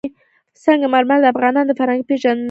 سنگ مرمر د افغانانو د فرهنګي پیژندنې برخه ده.